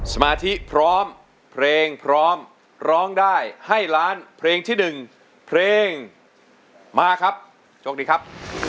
สมาธิพร้อมเพลงพร้อมร้องได้ให้ล้านเพลงที่๑เพลงมาครับโชคดีครับ